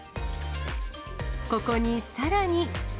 ここにさらに。